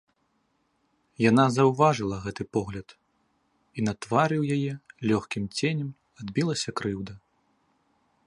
Яна заўважыла гэты погляд, і на твары ў яе лёгкім ценем адбілася крыўда.